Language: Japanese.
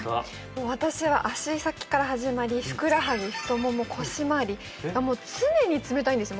もう私は足先から始まりふくらはぎ太もも腰回りが常に冷たいんですよ